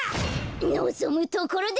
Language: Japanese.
のぞむところだ！